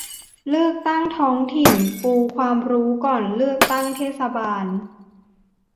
เลือกตั้งท้องถิ่น : ปูความรู้ก่อนเลือกตั้งเทศบาล